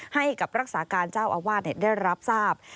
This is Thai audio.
ให้กับรักษาการเจ้าอาวาสได้รับทราบ